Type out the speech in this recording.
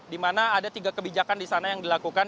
di mana ada tiga kebijakan di sana yang dilakukan